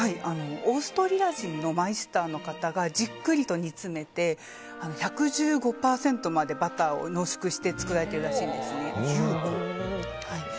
オーストリア人のマイスターの方がじっくりと煮詰めて１１５％までバターを濃縮して作られているらしいんですね。